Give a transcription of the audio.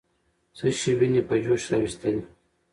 څه شی ويني په جوش راوستلې؟